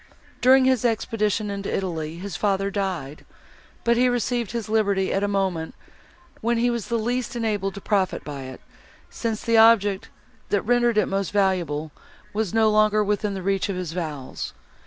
During his expedition into Italy, his father died; but he received his liberty at a moment, when he was the least enabled to profit by it, since the object, that rendered it most valuable, was no longer within the reach of his vows.